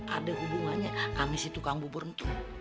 ada hubungannya ambil si tukang bubur itu